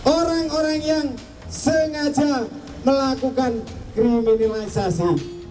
orang orang yang sengaja melakukan kriminalisasi